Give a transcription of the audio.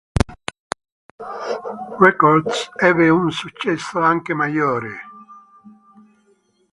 Records, ebbe un successo anche maggiore.